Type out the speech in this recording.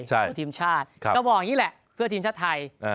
ก็บอกอย่างนี้แหละเพื่อที่ชากัย